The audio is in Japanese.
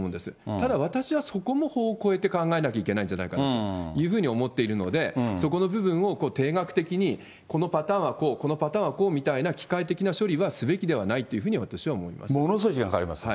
ただ私はそこも法を超えて考えなきゃいけないんじゃないかと思っているので、そこの部分を定額的にこのパターンはこう、このパターンはこうみたいな、機械的な処理はすべきではないといものすごい時間かかりますね。